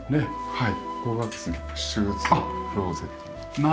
はい。